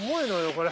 これ。